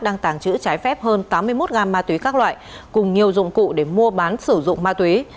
đang tàng trữ trái phép hơn tám mươi một gam ma túy các loại cùng nhiều dụng cụ để mua bán sử dụng ma túy